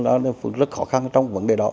rất khó khăn trong vấn đề đó